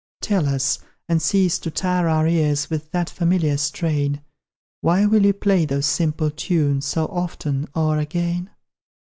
Tell us, and cease to tire our ears With that familiar strain; Why will you play those simple tunes So often o'er again?